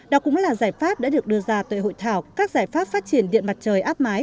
đó cũng là giải pháp đã được đưa ra tuệ hội thảo các giải pháp phát triển điện mặt trời áp mái